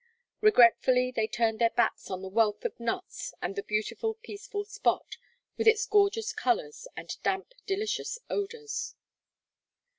Regretfully they turned their backs on the wealth of nuts and the beautiful, peaceful spot, with its gorgeous colors, and damp, delicious odors.